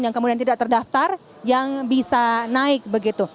yang kemudian tidak terdaftar yang bisa naik begitu